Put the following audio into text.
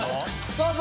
どうぞ！